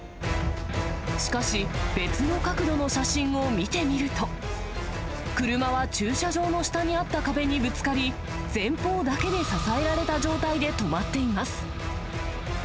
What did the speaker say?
しかし、別の角度の写真を見てみると、車は駐車場の下にあった壁にぶつかり、前方だけで支えられた状態で止まっています。